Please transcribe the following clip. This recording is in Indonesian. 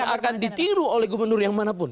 dan akan ditiru oleh gubernur yang manapun